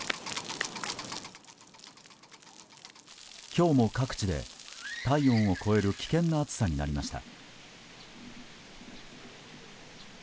今日も各地で体温を超える危険な暑さになりました。